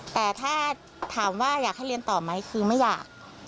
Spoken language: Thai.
แต่ถ้าถามว่าอยากให้เรียนต่อไหมคือไม่อยาก